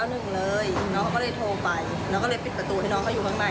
น้องเขาก็เลยโทรไปน้องก็เลยปิดประตูให้น้องเขาอยู่ข้างใน